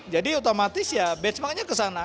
jadi otomatis benchmarknya kesana